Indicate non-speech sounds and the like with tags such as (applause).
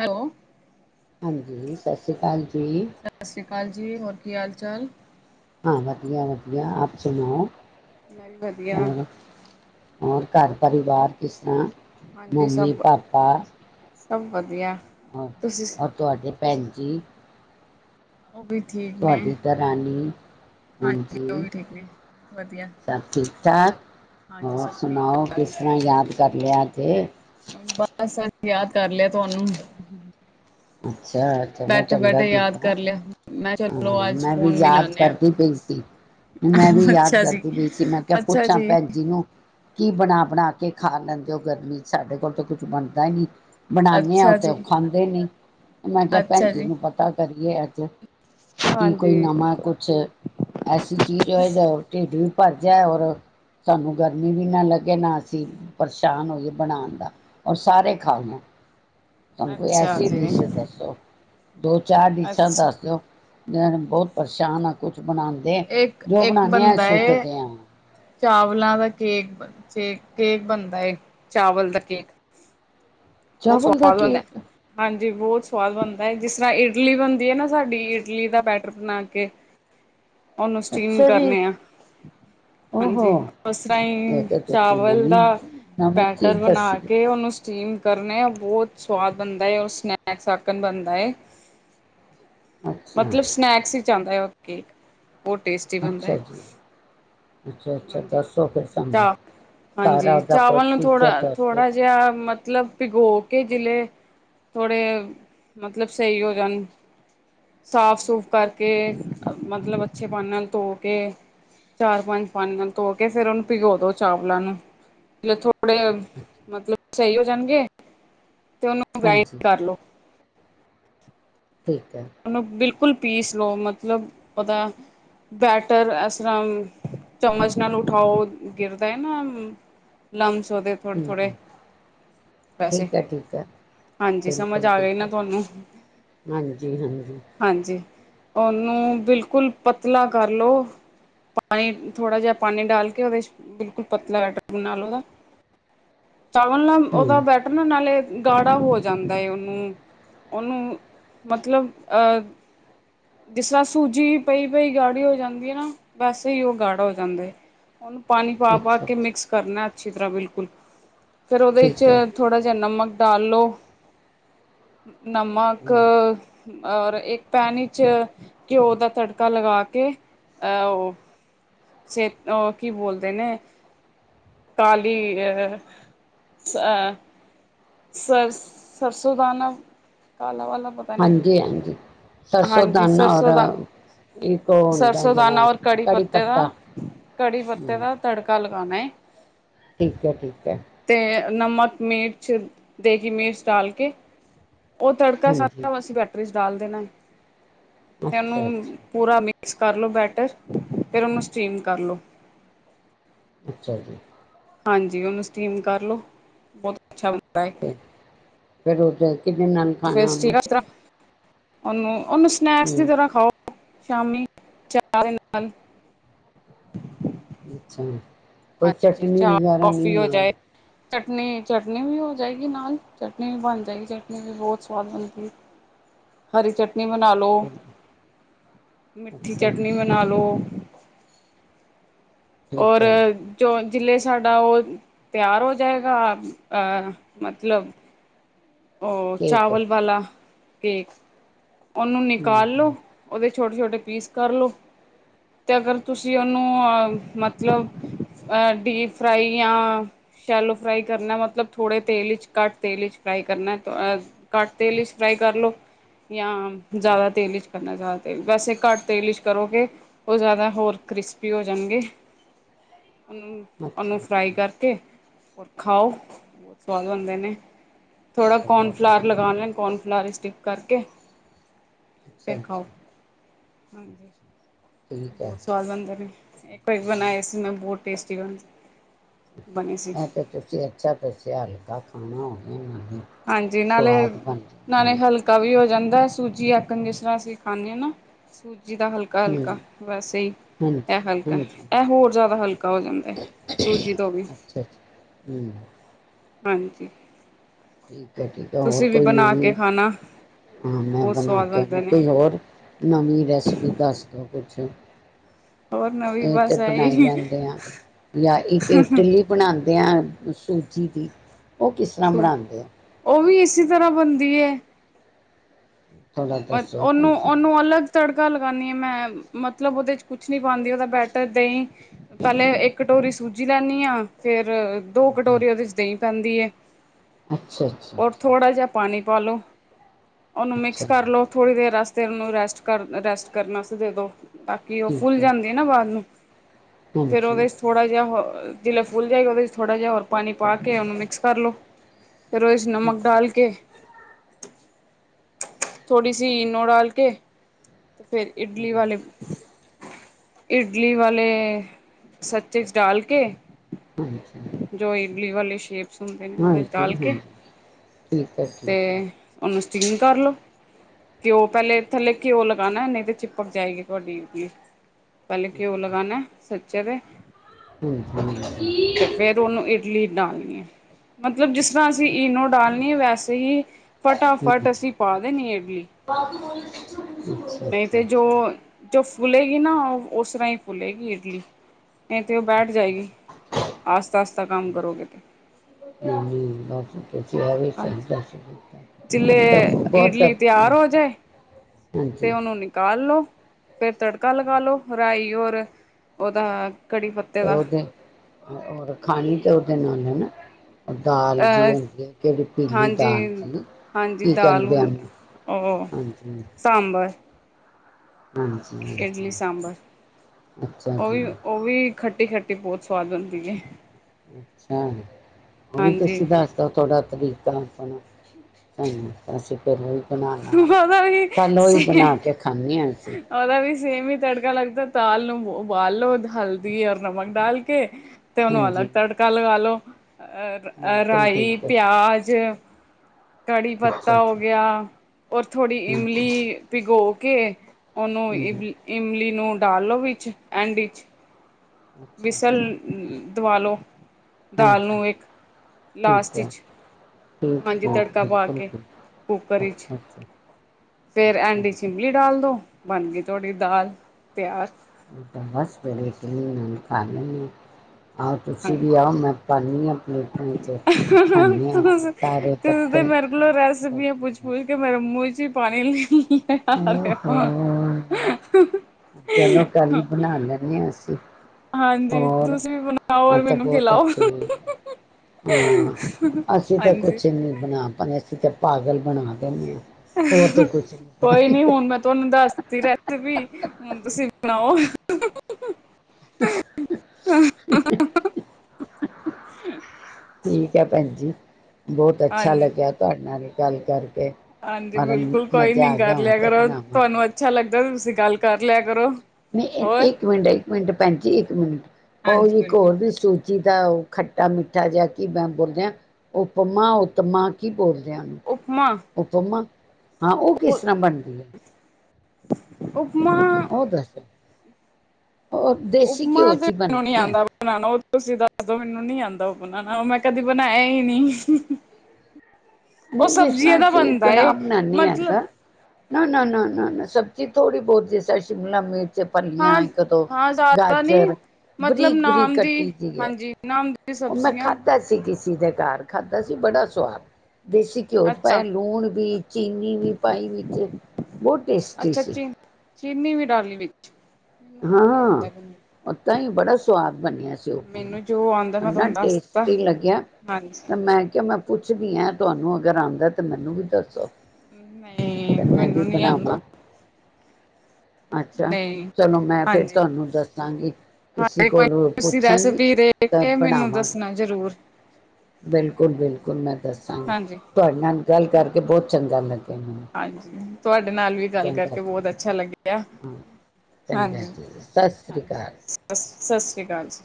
Hello, ਹਾਂਜੀ ਸਤਿ ਸ਼੍ਰੀ ਅਕਾਲ ਜੀ। ਸਤਿ ਸ਼੍ਰੀ ਅਕਾਲ ਜੀ ਹੋਰ ਕੀ ਹਾਲ-ਚਾਲ? ਹਾਂ ਵਧੀਆ-ਵਧੀਆ ਆਪ ਸੁਣਾਓ, ਮੈਂ ਵੀ ਵਧੀਆ ਹੋਰ-ਹੋਰ ਘਰ ਹੋਰ ਪਰਿਵਾਰ ਕਿਸ ਤਰ੍ਹਾਂ ਹਾਂਜੀ ਸਭ ਮੰਮੀ-ਪਾਪਾ। ਸਭ ਵਧੀਆ। ਹ ਤੁਸੀਂ ਔਰ ਤੁਹਾਡੇ ਭੈਣਜੀ ਉਹ ਵੀ ਠੀਕ ਨੇ ਤੁਹਾਡੀ ਦਰਾਨੀ ਉਹ ਹਾਂਜੀ ਵੀ ਠੀਕ ਨੇ ਵਧੀਆ ਸਭ ਠੀਕ-ਠਾਕ ਹਾਂਜੀ ਹੋਰ ਸਭ ਠੀਕ ਸੁਣਾਓ, ਕਿਸ ਤਰ੍ਹਾਂ ਯਾਦ ਕਰ ਲਿਆ ਜੇ। ਬਸ ਅ ਯਾਦ ਕਰ ਲਿਆ ਤੁਹਾਨੂੰ, ਅੱਛਾ ਚਲੋ ਬੈਠੇ ਚੰਗਾ ਬੈਠੇ ਯਾਦ ਕੀਤਾ, ਕਰ ਲਿਆ ਮੈਂ ਹਾਂ ਚਲੋ ਅੱਜ ਮੈਂ ਵੀ ਫੋਨ ਯਾਦ ਮਿਲਾਨੇ ਆ ਕਰਦੀ ਪਈ ਸੀ, ਮੈਂ ਵੀ ਯਾਦ ਅੱਛਾ ਜੀ ਕਰਦੀ ਪਈ ਸੀ, ਮੈਂ ਕਿਹਾ ਪੁੱਛਾਂ ਭੈਣ ਜੀ ਨੂੰ ਕੀ ਬਣਾ-ਬਣਾ ਕੇ ਖਾ ਲੈਂਦੇ ਹੋ ਗਰਮੀ 'ਚ ਸਾਡੇ ਕੋਲ ਤਾਂ ਕੁਛ ਬਣਦਾ ਹੀ ਨੀ। ਬਣਾਨੇ ਆ ਅੱਛਾ ਤੇ ਜੀ ਉਹ ਖਾਂਦੇ ਨੀ। ਮੈਂ ਕਿਹਾ ਭੈਣ ਜੀ ਨੂੰ ਪਤਾ ਕਰੀ ਇਹ ਅੱਜ ਕਿ ਕੋਈ ਹਾਂਜੀ ਨਵਾਂ ਕੁਛ ਐਸੀ ਚੀਜ਼ ਹੋਏ ਜਾ ਢਿੱਡ ਵੀ ਭਰ ਜਾਏ ਔਰ ਸਾਨੂੰ ਗਰਮੀ ਵੀ ਨਾ ਲੱਗੇੇ ਨਾ ਅਸੀਂ ਪਰੇਸ਼ਾਨ ਹੋਈਏ ਬਣਾਣ ਦਾ ਔਰ ਸਾਰੇ ਖਾ ਲੇਨ। ਤੁਹਾਨੂੰ ਕੋਈ ਅੱਛਾ ਐਸੀ ਜੀ ਡਿਸ਼ ਦੱਸੋ, ਦੋ ਚਾਰ ਡਿਸ਼ਾਂ ਅੱਛਾ ਦੱਸ ਦਿਓ। ਮੈਂ ਬਹੁਤ ਪਰੇਸ਼ਾਨ ਆ ਕੁਛ ਬਣਾਦੇ ਇੱਕ ਜੋ ਇੱਕ ਬਣਾਨੇ ਅ ਬੰਦਾ ਏ ਸੁੱਟਦੇ ਆ। ਚਾਵਲਾਂ ਦਾ ਕੇਕ, ਕੇਕ ਬਣਦਾ ਏ ਚਾਵਲ ਦਾ ਕੇਕ। ਬਹੁਤ ਚਾਵਲ ਦਾ ਸਵਾਦ ਬਣਦਾ, ਕੇਕ ਹਾਂਜੀ ਬਹੁਤ ਸਵਾਦ ਬਣਦਾ ਹੈ ਜਿਸ ਤਰ੍ਹਾਂ ਇ ਇਡਲੀ ਬਣਦੀ ਹੈ ਨਾ ਸਾਡੀ ਇਡਲੀ ਦਾ ਬੈਟਰ ਬਣਾ ਕੇ ਉਹਨੂੰ ਸਟੀਮ ਅੱਛਾ ਜੀ ਕਰਨੇ ਆ ਓਹੋ ਹਾਂਜੀ ਉਸ ਇਹ ਰਾਹੀਂ ਤਾਂ ਤੁਸੀਂ ਚਾਵਲ ਨਵੀਂ ਦਾ ਨਵੀਂ ਬੈਟਰ ਚੀਜ਼ ਬਣਾ ਦੱਸੀ ਕੇ ਉਹਨੂੰ ਸਟੀਮ ਕਰਨੇ ਆ ਬਹੁਤ ਸਵਾਦ ਬਨਦਾ ਏ ਉਹ ਸਨੈਕਸ ਆਕਨ ਬਨਦਾ ਏ। ਅੱਛਾ ਮਤਲਬ ਸਨੈਕਸ ਵਿੱਚ ਚ ਆਂਦਾ ਏ ਉਹ ਕੇਕ। ਬਹੁਤ ਟੇਸਟੀ ਬਣਦਾ ਅੱਛਾ ਏ। ਜੀ ਅੱਛਾ ਅੱਛਾ ਹਾਂਜੀ ਦੱਸੋ ਫਿਰ ਸਾਨੂੰ ਚਾ ਸਾਰਾ ਹਾਂਜੀ ਉਹਦਾ ਚਾਵਲ ਨੂੰ ਪ੍ਰੋਸੀਜਰ ਥੋੜਾ, ਦੱਸ ਦਿਓ ਥੋੜਾ ਜਿਹਾ ਮਤ ਮਤਲਬ ਭਿਗੋ ਕੇ ਜਿਲੇ ਥੋੜ੍ਹੇ ਮਤਲਬ ਸਹੀ ਹੋ ਜਾਣ ਸਾਫ-ਸੂਫ ਕਰਕੇ ਮਤਲਬ ਅੱਛੇ ਪਾਣੀ ਨਾਲ ਧੋ ਕੇ ਚਾਰ ਪੰਜ ਪਾਣੀ ਨਾਲ ਧੋ ਕੇ ਫੇਰ ਉਹਨੂੰ ਭਿਗੋ ਦੋ ਚਾਵਲਾਂ ਨੂੰ ਲੈ ਥੋ ਪੜੇ ਮਤਲਬ ਸਹੀ ਹੋ ਜਾਣਗੇ। ਤੇ ਉਹਨੂੰ ਗ੍ਰੈਂਡ ਹਾਂਜੀ ਕਰਲੋ। ਠੀਕ ਹੈ। ਉਹਨੂੰ ਬਿਲਕੁਲ ਪੀਸ ਲਓ। ਮਤਲਬ ਉਹਦਾ ਬੈਟਰ, ਇਸ ਤਰ੍ਹਾਂ ਚਮਚ ਨਾਲ ਉਠਾਓ ਗਿਰਦਾ ਹੈ, ਨਾ ਲਮਸ। ਉਹਦੇ ਥੋੜੇ ਥੋੜੇ ਵੈਸੇ ਹਮ-ਠੀਕ ਹੈ, ਠੀਕ ਹੈ। ਹਾਂਜੀ ਸਮਝ ਬਿਲਕੁਲ ਆ ਗਈ ਠੀਕ ਨਾ ਹੈ। ਤੁਹਾਨੂੰ ਹਾਂਜੀ-ਹਾਂਜੀ ਹਾਂਜੀ, ਉਹਨੂੰ ਬਿਲਕੁਲ ਪਤਲਾ ਕਰ ਲਉ ਪਾਣੀ ਥੋੜ੍ਹਾ ਜਿਹਾ ਪਾਣੀ ਡਾਲ ਕੇ ਉਹਦੇ ਚ ਬਿਲਕੁਲ ਪਤਲਾ ਬੈਟਰ ਬਣਾ ਲਓ। ਚਾਵਲ ਨਾਲ ਹੂੰ ਉਹਦਾ ਬੈਟਰ ਨਾ ਨਾਲੇ ਗਾੜਾ ਹੋ ਜਾਂਦਾ ਹੈ। ਉਹਨੂੰ-ਉਹਨੂੰ ਮਤਲਬ ਅਹ, ਜਿਸ ਤਰ੍ਹਾਂ ਸੂਜੀ ਪਈ-ਪਈ ਗਾੜੀ ਹੋ ਜਾਂਦੀ ਹੈ। ਨਾ ਵੈਸੇ ਹੀ ਉਹ ਗਾੜਾ ਹੋ ਜਾਂਦਾ ਹੈ। ਉਹਨੂੰ ਪਾਣੀ ਪਾ-ਪਾ ਅੱਛਾ ਕੇ ਅੱਛਾ ਮਿਕਸ ਕਰਨਾ। ਅੱਛੀ ਤਰ੍ਹਾਂ ਬਿਲਕੁਲ ਫਿਰ ਉਹਦੇ ਵਿੱਚ ਠੀਕ ਹੈ ਥੋੜਾ ਜਿਹਾ ਨਮਕ ਡਾਲੋ ਨਮਕ ਹੂੰ ਔਰ ਇੱਕ ਪੈਨ ਵਿਚ ਘਿਓ ਦਾ ਤੜਕਾ ਲਗਾ ਕੇ ਅਹ ਓ ਸੇ ਅ ਕੀ ਬੋਲਦੇ ਨੇ ਕਾਲੀ ਅਹ ਅਹ ਸਰ ਸਰਸੋਂ ਦਾਨਾ ਕਾਲਾ ਵਾਲਾ ਪਤਾ ਨਹੀਂ ਹਾਂਜੀ ਹਾਂਜੀ ਸਰਸੋਂ ਹਾਂਜੀ ਦਾਨਾ ਔਰ ਸਰਸੋਂ ਦਾ ਇੱਕ ਉਹ ਹੁੰਦਾ ਜਿਹੜਾ ਕੜੀ ਪੱਤਾ ਉਹ ਲਗਾਉਣਾ ਏ ਠੀਕ ਹੈ ਠੀਕ ਹੈ ਨਮਕ ਮਿਰਚ ਦੇਗੀ ਮਿਰਚ ਡਾਲ ਕੇ ਉਹ ਤੜਕਾ ਸਾਰਾ ਹਾਂਜੀ (inaudible) ਡਾਲ ਦੇਣਾ ਏ ਤੇ ਅੱਛਾ ਉਹਨੂੰ ਅੱਛਾ ਪੂਰਾ ਮਿਕਸ ਕਰ ਲਓ ਬੈਟਰ ਫਿਰ ਉਹਨੂੰ ਸਟੀਮ ਕਰ ਲਓ। ਅੱਛਾ ਜੀ ਹਾਂਜੀ ਉਹਨੂੰ ਸਟੀਮ ਕਰ ਲੋ। ਬਹੁਤ ਅੱਛਾ ਬਣਦਾ ਹੈ ਫਿਰ ਫਿਰ ਕਿਦੇ ਨਾਲ ਖਾਣਾ ਉਹਨੂੰ ਫਿਰ ਉਹਨੂੰ ਉਹਨੂੰ ਸਨੈਕਸ ਦੀ ਹਮ ਤਰ੍ਹਾਂ ਖਾਓ। ਸ਼ਾਮੀ ਚਾਹ ਦੇ ਨਾਲ ਅੱਛਾ ਕੋਈ ਹਾਂਜੀ ਚਟਨੀ ਚਾਹ ਵਗੈਰਾ ਨਹੀਂ ਕੌਫੀ ਹੋ ਨਾਲ ਜਾਏ ਚਟਨੀ ਚਟਨੀ ਵੀ ਹੋ ਜਾਏਗੀ ਨਾਲ ਚਟਨੀ ਵੀ ਬਣ ਜਾਏਗੀ ਚਟਨੀ ਵੀ ਬਹੁਤ ਸਵਾਦ ਬਣਦੀ ਐ। ਹਰੀ ਚੱਟਨੀ ਬਣਾ ਲੋ, ਮਿੱਠੀ ਅੱਛਾ ਚਟਨੀ ਬਣਾ ਲੋ। ਠੀਕ ਔਰ ਹੈ ਜੋ ਚਿਲੇ ਸਾਡਾ ਉਹ ਤਿਆਰ ਹੋ ਜਾਏਗਾ। ਮਤਲਬ ਉਹ ਕੇਕ ਚਾਵਲ ਵਾਲਾ। ਕੇਕ। ਉਹਨੂੰ ਹਮ ਨਿਕਾਲੋ ਉਹਦੇ ਚ ਛੋਟੇ ਛੋਟੇ ਪੀਸ ਕਰ ਲੋ, ਤੇ ਅਗਰ ਤੁਸੀਂ ਔਹਨੂੰ ਅ ਮਤਲਬ ਏ ਡੀਪ ਫਰਾਈ ਜਾਂ ਸ਼ੈਲੋ ਫਰਾਈ ਕਰਨਾ ਮਤਲਬ ਥੋੜ੍ਹੇ ਤੇਲ ਇੰਚ ਘੱਟ ਤੇਲ ਵਿੱਚ ਫਰਾਈ ਕਰਨਾ ਟ ਅ ਘੱਟ ਤੇਲ ਵਿੱਚ ਫਰਾਈ ਕਰਲੋ। ਯਾ ਜ਼ਿਆਦਾ ਤੇਲ ਚ ਕਰਨਾ ਜ਼ਿਆਦਾ ਤੇਲ, ਵੈਸੇ ਘੱਟ ਤੇਲ ਚ ਕਰੋਗੇ ਉਹ ਜ਼ਿਆਦਾ ਹੋਰ ਕ੍ਰਿਸਪੀ ਹੋ ਜਾਣਗੇ। ਔਨੂੰ ਅੱਛਾ ਔਨੂੰ ਅੱਛਾ ਫਰਾਈ ਕਰਕੇ ਔਰ ਖਾਓ ਬਹੁਤ ਸਵਾਦ ਬਣਦੇ ਨੇ। ਥੋੜਾ ਬਹੁਤ ਕੋਨਫਲਾਰ ਵਧੀਆ ਲਗਾਨਾ ਕੋਨਫਲਾਰ ਚ ਸਟਿਕ ਕਰਕੇ ਫਿਰ ਅੱਛਾ ਖਾਉ, ਅੱਛਾ ਹਾਂਜੀ। ਠੀਕ ਹੈ ਬਹੁਤ ਸਵਾਦ ਬਣਦੇ ਨੇ, ਇੱਕ ਵਾਰੀ ਬਣਾਏ ਸੀ ਮੈਂ ਬਹੁਤ ਟੈਸਟੀ ਬਨੇ ਸੀ ਇਹ ਤੇ ਤੁਸੀਂ ਅੱਛਾ ਦੱਸਿਆ, ਹਲਕਾ ਖਾਣਾ ਹੋ। (inaudible) ਹਾਂਜੀ ਨਾਲੇ ਨਾਲੇ ਹਲਕਾ ਵੀ ਹੋ ਜਾਂਦਾ ਸੂਜੀ ਆਕਣ ਜਿਸ ਤਰ੍ਹਾਂ ਅਸੀਂ ਖਾਂਦੇ ਹਾਂ ਨਾ, ਸੂਜੀ ਦਾ ਹਲਕਾ ਹਲਕਾ ਹਮ ਵੈਸੇ ਹੀ ਇਹ ਹਾਂਜੀ ਹਲਕਾ, ਹਾਂਜੀ ਇਹ ਹੋਰ ਜ਼ਿਆਦਾ ਹਲਕਾ ਹੋ ਜਾਂਦਾ ਸੂਜੀ ਤੋਂ ਵੀ। ਅੱਛਾ ਅੱਛਾ ਹਮ ਹਾਂਜੀ। ਠੀ ਠੀਕ ਹੈ, ਹੋਰ ਤੁਸੀਂ ਵੀ ਕੋਈ ਬਣਾ ਨਵੀਂ ਕੇ ਖਾਣਾ ਹਾਂ, ਮੈਂ ਬਹੁਤ ਬਣਾ ਸਵਾਦ ਕੇ ਬਣਦੇ ਨੇ ਕੋਈ ਹੋਰ ਨਵੀਂ ਰੈਸਪੀ ਦੱਸ ਦੋ ਕ ਅਛਾੱ। ਹੋਰ ਨਵੀਂ ਇਹ ਤੇ ਬਸ ਬਣਾਈ ਇਹੀ ਲੈਂਦੇ ਆ, ਜਾਂ ਇੱਕ ਇਟਲੀ ਬਣਾਦੇ ਹਾ। ਸੂਜੀ ਦੀ। ਉਹ ਕਿਸ ਤਰ੍ਹਾ ਬਣਾਦੇ ਹੋ? ਇਸੇ ਤਰ੍ਹਾਂ ਬਣਦੀ ਹੈ। (inaudible) ਮ ਦੱਸੋ ਔਹਨੂੰ ਤਾਂ ਸਾਨੂੰ ਔਹਨੂੰ ਅਲੱਗ ਤੜ ਆ ਲਗਾਨੀ ਆ ਮੈਂ ਮਤਲਬ ਔਹਦੇ ਚ ਕੁਛ ਨੀ ਪਾਾਂਦੀ ਔਹਦਾ ਬੈਟਰ ਦਹੀਂ ਪਹਿਲੇ ਇੱਕ ਕਟੋਰੀ ਸੂਜੀ ਲੈਂਦੀ ਹਾਂ ਫੇਰ ਦੋ ਅੱਛਾ ਕਟੋਰੀ ਉਹਦੇ ਚ ਦਹੀਂ ਪੈਂਦੀ ਏ। ਅੱਛਾ ਔਰ ਅੱਛਾ ਥੋੜਾ ਜਿਹਾ ਪਾਣੀ ਪਾਲੋ ਉਹਨੂੰ ਮਿਕਸ ਅੱਛਾ ਕਰ ਜੀ ਲੋ ਥੋੜ੍ਹੀ ਦੇਰ ਰੇਸਟ ਫਿਰ ਉਹਨੂੰ ਰੈਸਟ ਕਰਨ-ਰੈਸਟ ਕਰਨ ਵਾਸਤੇ ਦੇਦੋ। ਤਾਂਕੀ, ਉਹ ਫੁੱਲ ਠੀਕ ਹੈ ਜਾਂਦੀ ਆ ਨਾ ਬਾਦ ਨੂੰ। ਫੇਿਰ ਹਾਂਜੀ ਉਹਦੇ ਚ ਥੋੜਾ ਜਿਹਾ ਹੋਰ ਆ ਜਿਲੇ ਫੁੱਲ ਜਾਏਗੀ, ਉਹਦੇ ਚ ਥੋੜ੍ਹਾ ਜਿਹਾ ਹੋਰ ਪਾਣੀ ਪਾ ਕੇ, ਉਹਨੂੰ ਮਿਕਸ ਕਰ ਲਓ। ਫਿਰ ਓਹਦੇ ਵਿਚ ਨਮਕ ਹਾਂਜੀ ਡਾਲ ਕੇ ਥੋੜੀ ਸੀ ਇਨੋ ਡਾਲ ਕੇ ਤੇ ਫੇਿਰ ਹਾਂ ਇਡਲੀ ਵਾਲੇ ਇਡਲੀ ਵਾਲੇ ਸੱਚੇ ਚ ਡਾਲ ਕੇ ਹਾਂਜੀ ਜੋ ਇਡਲੀ ਵਾਲੀ ਸ਼ੇਪਸ (unintelligible) ਉਹਦੇ ਚ ਹਾਂਜੀ ਡਾਲ ਕੇ ਹਾਂਜੀ ਠੀਕ ਹੈ ਤੇ ਠੀਕ ਹੈ ਉਹਨੂੰ ਸਟੀਮ ਕਰਲੋ। ਘਿਓ ਪਹਿਲੇ ਥੱਲੇ ਘਿਓ ਲਗਾਉਣਾ ਹੈ, ਨਹੀਂ ਤੇ ਚਿਪਕ ਜਾਏਗੀ ਤੁਹਾਡੀ ਇਟਲੀ। ਪਹਿਲੇ ਘਿਓ ਅੱਛਾ ਲਗਾਨਾ ਹੈ, ਸ ਚਰੇ ਹਾਂਜੀ ਤੇ ਫੇਰ ਉਹਨੂੰ ਇਡਲੀ ਨਾਲ ਮਤਲਬ ਜਿਸ ਤਰ੍ਹਾਂ ਅਸੀਂ ਈਨੋ ਡਾਲਣੀ ਹੈ, ਵੈਸੇ ਹੀ ਫਟਾਫਟ ਅਸੀਂ ਪਾ ਦੇਣੀ ਹੈ। ਬਾਅਦ ਚ ਬੋਲਣਾ ਵਿਚ ਨਹੀਂ ਬੋਲਣਾ ਤੁਸੀਂ ਅਛਾੱ-ਅਛਾ ਫੁੱਲਲੇਗੀ ਨਾ ਓਹੋ, ਉਸਰ੍ਹਾਂ ਹੀ ਫੁਲੇਗੀ ਇਡਲੀ। ਨਹੀਂ ਤੇ ਉਹ ਬੈਠ ਜਾਏਗੀ, ਅੱਛਾ ਆਹਿਸਤਾ ਆਹਿਸਤਾ ਕੰਮ ਕਰੋਗੇ ਤੇ। ਨਹੀਂ ਬਸ (unintelligible) ਜਿਲੇ ਬਹੁਤ ਇਡਲੀ ਤਿਆਰ ਹੋ ਜਾਏ ਹਾਂਜੀ ਤੇ ਉਹਨੂੰ ਨਿਕਾਲ ਲੋੋ। ਫੇਿਰ ਤੜਕਾ ਲਗਾ ਲੋ, ਰਾਈ ਔਰ ਉਹਦਾ ਕੜੀ ਪੱਤੇ ਤੇ ਦਾ ਉਹਦੇ ਔਰ, ਖਾਣੀ ਤੇ ਉਹਦੇ ਨਾਲ ਹੈਨਾ ਦਾਲ ਜੀਹੀ ਅਹ ਹੁੰਦੀ ਹੈ, ਕਿਹੜੀ ਪੀਲੀ ਹਾਂਜੀ ਦਾਲ ਜੀ, ਹਾਂਜੀ ਕੀ ਦਾਲ ਕਹਿੰਦੇ ਆ ਉਹ ਹਾਂਜੀ (unintelligible) ਸਾਂਬਰ ਹਾਂਜੀ ਇਡਲੀ ਹਾਂਜੀ ਸਾਂਬਰ ਅੱਛਾ ਉਹ ਜੀ ਵੀ-ਉਹ ਵੀ, ਖੱਟੀ-ਖਟੀ ਤੇ ਬਹੁਤ ਸਵਾਦ ਬਣਦੀ ਹੈ। ਅੱਛਾ। ਉਹ ਵੀ ਹਾਂਜੀ ਤੁਸੀਂ ਦੱਸ ਦੋ ਥੋੜਾ ਕਦੀ ਦਿਤਾ ਆਪਨਾ ਹਾਂਜੀ ਅਸੀ ਪਹਿਲੇ ਹੀ ਬਣਾ ਲਾਂਗੇ ਉਹਦਾ ਵੀ ਕੱਲ ਉਹੀ ਬਣਾ ਕੇ ਖਾਂਦੇ ਹਾਂ ਅਸੀਂ ਜਿਵੇ ਹੀ ਤੜਕਾ ਲੱਗਦਾ ਦਾਲ ਨੂੰ ਉਬਾਲੋ ਹਲਦੀ ਔਰ ਨਮਕ ਡਾਲ ਕੇ ਤੇ ਉਹਨੂੰ ਅਲੱਗ ਹਾਂਜੀ ਤੜਕਾ ਲਗਾ ਲੋ ਔਰ ਬਿਲਕੁਲ ਰਾਈ ਠੀਕ ਹੈ ਪਿਆਜ ਕੜੀ ਅੱਛਾ ਪੱਤਾ ਹੋ ਜੀ ਗਿਆ। ਔਰ ਥੋੜੀ ਹਾਂਜੀ ਇਮਲੀ ਪਿਗੋ ਕਿ (unintelligible) ਉਹਨ ਵੀ ਹਮ ਇਮ ਇਮਲੀ ਨੂ ਡਾਲ ਲੋ ਵਿੱਚ ਐਂਡ ਵਿੱਚ ਅੱਛਾ ਵੀਸਲ ਅੱਛਾ ਦਵਾਲੋ ਦਾਲ ਹਾਂਜੀ ਨੂੰ ਇੱਕ ਠੀਕ ਲਾਸਟ ਹੈ ਵਿੱਚ ਠੀਕ ਹਾਂਜੀ ਜੀ ਠੀਕ ਤੜਕਾ ਪਾ ਬਿਲਕੁਲ ਕੇ ਠੀਕ ਕੁੱਕਰ ਵਿਚ ਅੱਛਾ ਅੱਛਾ ਫੇਰ ਅੱਛਾ ਐਂਡੀ ਵਿੱਚ ਇਮਲੀ ਡਾਲ ਦੋ ਬਣ ਗਈ ਤੁਹਾਡੀ ਦਾਲ ਤਿਆਰ ਦਾ ਬਸ ਫਰੇ ਇਡਲੀ ਖਾ ਲੈਣੇ ਹਾਂ (unintelligible) ਆ ਤੁਸੀਂ ਵੀ ਆਓ ਮੈਂ ਪਾਨੀ ਹਾਂ ਪਲੇਟ ਤੁਸੀਂ ਤੇ ਇਕੱਠੇ ਮੇਰੇ ਕੋਲੋਂ ਹੋਰ ਰੈਸਪੀਆਂ ਕੀ ਪੁੱਛ, ਪੁੱਛ ਕੇ ਮੇਰੇ ਮੂੰਹ ਵਿੱਚ ਕਿ ਪਾਣੀ ਨੀ ਹਮ ਓ ਹੋ ਚਲੋ ਕੱਲ ਹੀ ਬਣਾ ਲੈਂਣੇ ਆ ਅਸੀਂ ਹਾਂਜੀ ਹੋਰ ਤੁਸੀਂ ਵੀ ਬਣਾਓ ਔਰ ਤਾਂ ਮੈਨੂੰ ਬਹੁਤ ਖਿਲਾਓ ਅਛੀ ਹਾਂ ਅਸੀਂ ਤਾਂ ਹਾਂਜੀ। ਕੁਛ ਨੀ ਬਣਾ ਪਾਣੇ ਅਸੀਂ ਤੇ ਪਾਗਲ ਬਣਾ ਦਿਨੇ ਆ। ਹੋਰ ਤੇ ਕੁਛ ਨੀ ਕੋਈ ਬਣਾ ਨੀ ਹੁਣ ਮੈਂ ਤੁਹਾਨੂੰ ਦਾਸ ਤੀ ਰੈਸਪੀ ਹੁਣ ਤੁਸੀਂ ਬਣਾਓ। (inaudible) (inaudible) ਠੀਕ ਹੈ, ਭੈਣ ਜੀ ਬਹੁਤ ਅੱਛਾ ਹਾਂਜੀ। ਲਗਿਆ ਤੁਹਾਡੇ ਨਾਲ ਗੱਲ ਕਰਕੇ। ਹਾਂਜੀ ਮਾਰਾ ਬਿਲਕੁਲ, ਕੋਈ ਮਜ਼ਾ ਨੀ ਆ ਗਿਆ ਕਰ ਹੁਣ ਲਿਆ ਤੇ ਕਰੋ, ਬਣਾਵਾਂਗੇ ਤੁਹਾਨੂੰ ਅੱਛਾ ਲੱਗ ਤੁਸੀਂ ਗੱਲ ਕਰ ਲਿਆ ਕਰੋ। ਨਹੀਂ ਹੋਰ ਇੱਕ ਮਿੰਟ ਇੱਕ ਮਿੰਟ ਪੈਂਜੀ ਇੱਕ ਮਿੰਟ ਉਹ ਹਾਂਜੀ ਇੱਕ ਬਿਲਕੁਲ ਹੋਰ ਵੀ ਸੂਟ ਜੀਦਾ ਉਹ ਖੱਟਾ ਮਿੱਠਾ ਜਿਹਾ ਕੀ ਬੋਲਦੇ ਉਪਮਾ ਉਤਮਾ ਕੀ ਬੋਲਦੇ ਆ ਉਪਮਾ ਉਪਮਾ ਹਾਂ ਉਹ ਕਿਸ ਤਰ੍ਹਾਂ ਬਣਦੀ ਹੈ। ਉਪਮਾ। ਉਹ ਦੱਸ ਉਪਮਾ ਤੇ ਮੈਨੂੰ ਨੀ ਆਦਾ ਬਣਾਨਾ ਤੁਸੀਂ ਦੱਸ ਦੋ ਮੈਨੂੰ ਨੀ ਆਦਾ ਬਣਾਣਾ ਉਹ ਮੈਂ ਕਦੀ ਬਣਾਇਆ ਹੀ ਨਹੀਂ। ਉਹ ਨਹੀਂ ਜਿਸ ਸਬਜ਼ੀਆਂ ਤਰਾ ਦਾ ਅਸੀਂ ਬਣਦਾ ਏ ਕੜਾਹ ਬਣਾਦੇ ਆ ਮਤਲਬ ਅਦਾ। ਨਾ-ਨਾ-ਨਾ-ਨਾ-ਨਾ ਸਭ ਜੀ ਥੋੜੀ ਬਹੁਤ ਜਿਸ ਤਰਾ ਸ਼ਿਮਲਾ ਮਿਰਚ ਫਲੀਆਂ ਇੱਕ ਦੋ ਹਾਂ-ਹਾਂ ਜ਼ਿਆਦਾ ਨੀ ਗਾਜਰ ਮਤਲਬ ਬਰੀਕ ਬਰੀਕ ਨਾਮ ਦੀ ਕੱਟੀ ਐ ਹਾਂਜੀ ਨਾਮ ਦੀ ਉਹ ਮੈਂ ਸਬਜ਼ੀਆਂ ਖਾਧਾ ਕਿਸੀ ਦੇ ਘਰ ਖਾਧਾ ਸੀ ਬੜਾ ਸਵਾਦ। ਦੇਸੀ ਘਿਓ 'ਚ ਅੱਛਾ ਪਾਇਆ ਲੂਣ ਵੀ ਚੀਨੀ ਵੀ ਪਾਈ ਵਿੱਚ ਬਹੁਤ ਟੇਸਟੀ ਅੱਛਾ ਸੀ। ਚੀ ਚੀਨੀ ਵੀ ਡਾਲੀ ਵਿੱਚ ਮੈਨੂੰ ਉਹ ਨੀ ਹਾਂ ਆਂਦਾ ਬਣਾ ਓਦਾਂ ਹੀ ਬੜਾ ਸਵਾਦ ਬਣਿਆ ਸੀ ਉਹ, ਮੈਨੂੰ ਜੋ ਆਂਦਾ ਮੈਂ ਇਨਾ ਤੁਹਾਨੂੰ ਦੱਸਤਾ ਟੇਸਟੀ ਲੱਗਿਆ ਹਾਂਜੀ ਤੇ ਮੈਂ ਕਿਹਾ ਮੈਂ ਪੁੱਛਦੀ ਆ ਵੀ ਹੈ ਤੁਹਾਨੂੰ ਅਗਰ ਆਦਾ ਤਾਂ ਮੈਨੂੰ ਵੀ ਦੱਸੋ। ਨਹੀਂ ਤੇ ਮੈਂ ਵੀ ਮੈਨੂੰ ਨੀ ਆਦਾ। ਬਣਾਵਾਂ ਅੱਛਾ। ਚਲੋ ਮੈਂ ਫਿਰ ਤੁਹਾਨੂੰ ਦੱਸਾਂਗੀ, ਕਿਸੇ ਹਾਂਜੀ ਕੋਈ ਕੋਲੋਂ ਤੁਸੀਂ ਪੁੱਛਾਂਗੀ ਰੈਸਪੀ ਦੇਖ ਤਾਂ ਕੇ ਮੈਨੂੰ ਬਣਾਵਾਂਗੀ। ਦੱਸਣਾ ਜ਼ਰੂਰ ਬਿਲਕੁਲ-ਬਿਲਕੁਲ ਮੈਂ ਦਸਾਗੀ ਹਾਂਜੀ ਤੁਹਾਡੇ ਨਾਲ ਗੱਲ ਕਰਕੇ ਬਹੁਤ ਚੰਗਾ ਲੱਗਾ ਹਾਂਜੀ। ਤੁਹਾਡੇ ਨਾਲ ਵੀ ਗੱਲ ਚੰਗਾ ਕਰਕੇ ਜੀ ਬਹੁਤ ਅੱਛਾ ਲੱਗਿਆ। ਹਾਂ ਚੰਗਾ ਹਾਂਜੀ, ਜੀ ਸਤਿ ਸ਼੍ਰੀ ਅਕਾਲ ਸਤ ਸ੍ਰੀ ਅਕਾਲ ਜੀ।